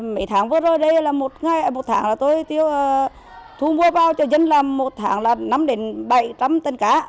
mấy tháng vừa rồi đây là một tháng là tôi thu mua bao cho dân làm một tháng là năm đến bảy trăm linh tấn cá